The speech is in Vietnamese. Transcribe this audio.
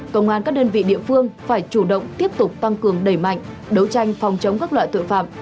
công an các đơn vị địa phương phải chủ động tiếp tục tăng cường đẩy mạnh đấu tranh phòng chống các loại tội phạm